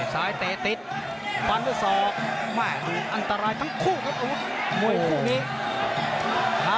ซ้ายเตะติดฟันด้วยศอกอันตรายทั้งคู่ครับอาวุธ